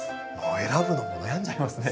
選ぶのも悩んじゃいますね。